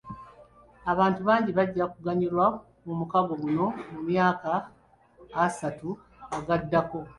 Abantu bangi bajja kuganyulwa mu mukago guno mu myaka asatu agaddako.